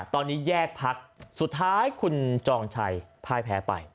ตอนนี้แยกพักสุดท้ายคุณจองชัยพ่ายแพ้ไป